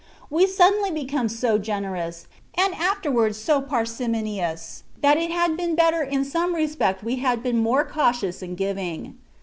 We suddenly become so generous, and afterwards so parsimonious,'^ that it had been better in some respect we had been more cautious in giving.